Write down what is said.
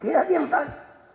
tidak ada yang salah